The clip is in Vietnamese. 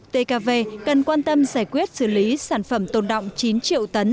tkv cần quan tâm giải quyết xử lý sản phẩm tồn động chín triệu tấn